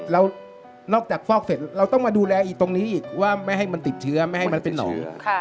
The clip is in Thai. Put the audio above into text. แล้วนอกจากฟอกเสร็จเราต้องมาดูแลอีกตรงนี้อีกว่าไม่ให้มันติดเชื้อไม่ให้มันเป็นหนอง